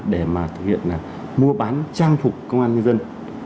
để mà thực hiện mua bán trang phục công an nhân dân